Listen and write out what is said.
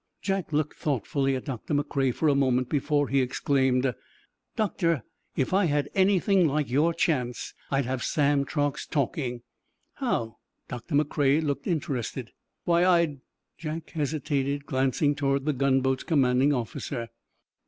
Jack looked thoughtfully at Doctor McCrea for a moment before he exclaimed: "Doctor, if I had anything like your chance, I'd have Sam Truax talking!" "How?" Doctor McCrea looked interested. "Why, I'd—" Jack hesitated, glancing toward the gunboat's commanding officer.